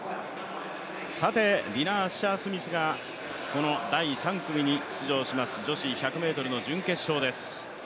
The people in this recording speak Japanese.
さて、ディナ・アッシャー・スミスが第３組に出場します女子１００ｍの準決勝です。